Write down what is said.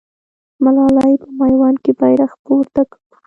ملالۍ په میوند کې بیرغ پورته کړ.